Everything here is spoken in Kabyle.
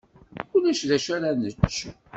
Ulac d acu ara nečč.